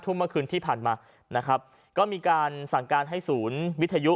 เมื่อคืนที่ผ่านมานะครับก็มีการสั่งการให้ศูนย์วิทยุ